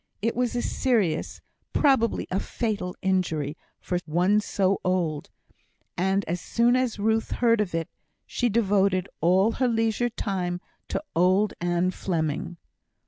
It was a serious probably a fatal injury, for one so old; and as soon as Ruth heard of it she devoted all her leisure time to old Ann Fleming.